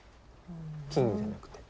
金じゃなくて。